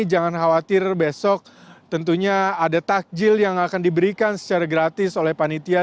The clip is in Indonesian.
jangan khawatir besok tentunya ada takjil yang akan diberikan secara gratis oleh panitia